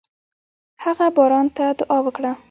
هغه باران ته دعا وکړه.